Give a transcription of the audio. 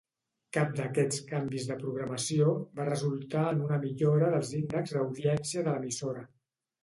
Cap d'aquests canvis de programació va resultar en una millora dels índexs d'audiència de l'emissora.